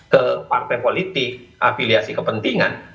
ke partai politik afiliasi kepentingan